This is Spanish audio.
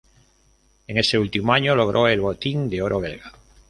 En ese último año logró el Botín de Oro belga.